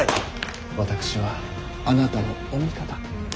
私はあなたのお味方。